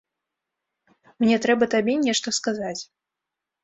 Мне трэба табе нешта сказаць.